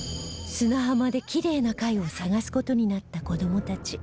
砂浜でキレイな貝を探す事になった子どもたち